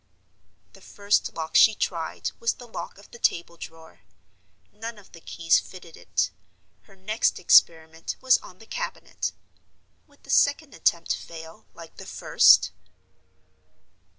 The first lock she tried was the lock of the table drawer. None of the keys fitted it. Her next experiment was made on the cabinet. Would the second attempt fail, like the first?